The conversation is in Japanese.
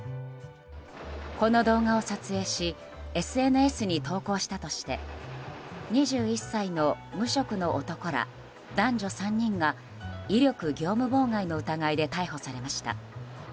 この動画を撮影しＳＮＳに投稿したとして２１歳の無職の男ら男女３人が威力業務妨害の疑いで逮捕されました。